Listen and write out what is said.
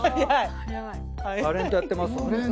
タレントやってます。